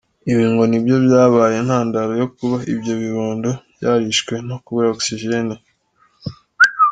Ibi ngo nibyo byabaye intandaro yo kuba ibyo bibondo byarishwwe no kubura oxygene.